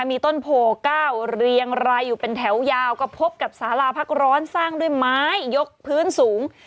มีต้นโพ๙เรียงรายอยู่เป็นแถวยาวก็พบกับสาราพักร้อนสร้างด้วยไม้ยกพื้นสูง